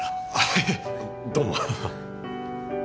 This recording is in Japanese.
いえどうも。